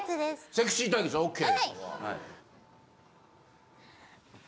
セクシー対決ＯＫ！